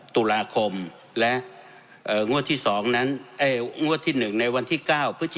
ตุลาคมและเอ่องวดที่สองนั้นเอ่องวดที่หนึ่งในวันที่เก้า